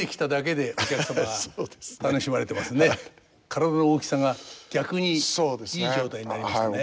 体の大きさが逆にいい状態になりましたね。